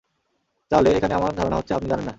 তাহলে, এখানে আমার ধারণা হচ্ছে আপনি জানেন না।